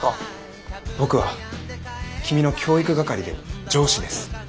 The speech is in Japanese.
僕は君の教育係で上司です。